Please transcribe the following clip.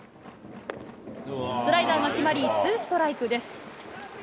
スライダーが決まりツーストライクです。